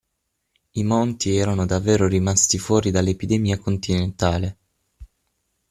I Monti erano davvero rimasti fuori dall'epidemia continentale.